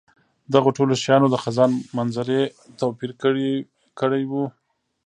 دغو ټولو شیانو د خزان منظرې توپیر کړی وو.